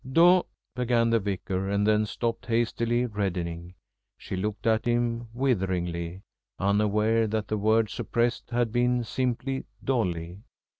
"Do ," began the Vicar, and then stopped hastily, reddening. She looked at him witheringly, unaware that the word suppressed had been simply "Dolly."